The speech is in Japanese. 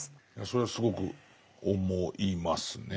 それはすごく思いますね。